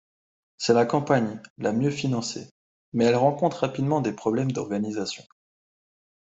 C'est la campagne la mieux financée, mais elle rencontre rapidement des problèmes d'organisation.